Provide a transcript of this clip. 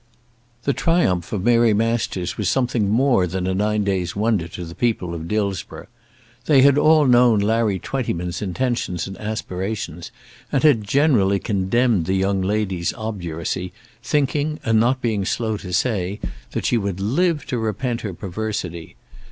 The triumph of Mary Masters was something more than a nine days' wonder to the people of Dillsborough. They had all known Larry Twentyman's intentions and aspirations, and had generally condemned the young lady's obduracy, thinking, and not being slow to say, that she would live to repent her perversity.